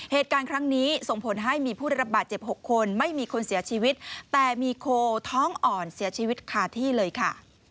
เหตุการณ์ครั้งนี้ส่งผลให้มีผู้ได้รับบาดเจ็บ๖คนไม่มีคนเสียชีวิตแต่มีโคท้องอ่อนเสียชีวิตคาที่เลยค่ะ